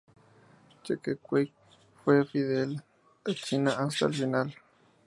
Che-kuei fue fidel a China hasta el final.